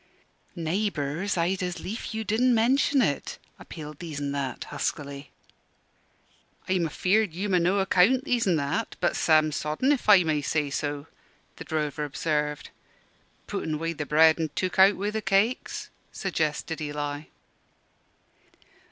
"Naybours, I'd as lief you didn't mention it," appealed These an' That, huskily. "I'm afeard you'm o' no account, These an' That: but sam sodden, if I may say so," the drover observed. "Put in wi' the bread, an' took out wi' the cakes," suggested Eli.